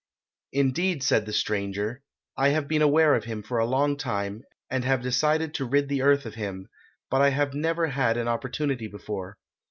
"'Indeed,' said the stranger, 'I have been aware of him for a long time, and have decided to rid the earth of him, but I have never had an opportunity before.